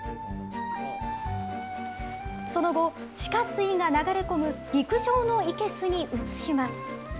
その後、地下水が流れ込む陸上の生けすに移します。